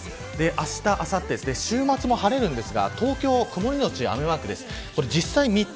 あした、あさって週末も晴れますが東京、曇りのち雨マークです。